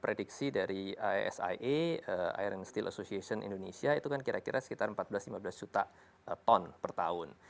prediksi dari sia iron steel association indonesia itu kan kira kira sekitar empat belas lima belas juta ton per tahun